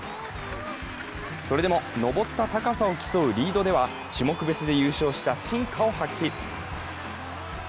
それでも登った高さを競うリードでは種目別で優勝した真価を発揮。